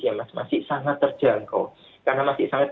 yang masih sangat terjangkau